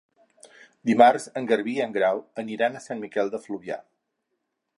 Dimarts en Garbí i en Grau aniran a Sant Miquel de Fluvià.